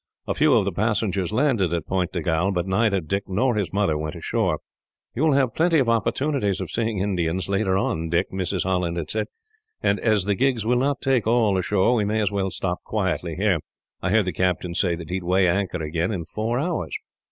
A few of the passengers landed at Point de Galle, but neither Dick nor his mother went ashore. "You will have plenty of opportunities of seeing Indians, later on, Dick," Mrs. Holland had said; "and, as the gigs will not take all ashore, we may as well stop quietly here. I heard the captain say that he would weigh anchor again, in four hours."